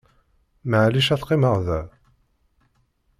Maεlic ad qqimeɣ da?